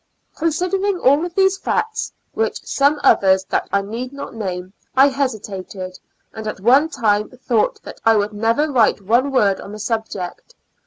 Considering all these facts, with some others that I need not name, I hesitated, and at one time thought that I would never write one word on the subject.